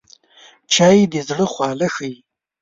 چای د زړه خواله ښيي